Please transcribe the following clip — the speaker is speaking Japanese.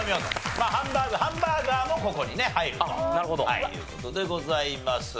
まあハンバーグハンバーガーもここにね入るという事でございます。